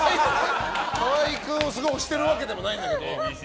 河合君を凄い推してるわけじゃないんだけど。